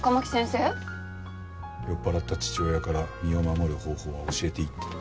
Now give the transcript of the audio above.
酔っ払った父親から身を守る方法は教えていいって。